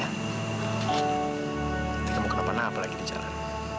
nanti kamu kenapa napa lagi di jalan